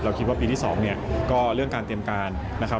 คิดว่าปีที่๒เนี่ยก็เรื่องการเตรียมการนะครับ